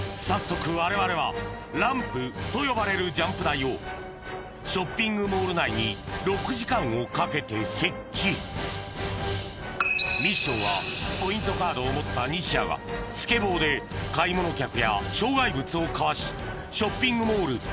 早速われわれはランプと呼ばれるジャンプ台をショッピングモール内に６時間をかけて設置ミッションはポイントカードを持った西矢がスケボーで買い物客や障害物をかわしショッピングモール